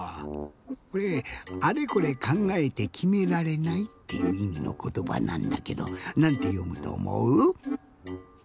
これ「あれこれかんがえてきめられない」っていういみのことばなんだけどなんてよむとおもう？